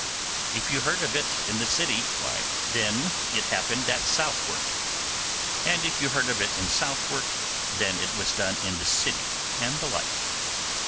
If you heard of it in the city, why, then it happened in Southwark; and if you heard of it in Southwark, then it was done in the city, and the like.